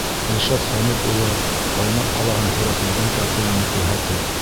Илшат Хәмит улы Баймаҡ ҡалаһын һүрәтләгән картинаны күрһәтеп: